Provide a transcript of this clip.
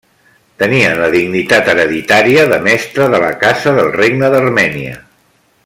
Tenien la dignitat hereditària de Mestre de la Caça del regne d'Armènia.